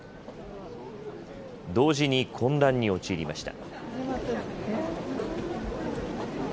同時に混乱に陥りました。